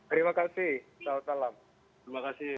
terima kasih salam salam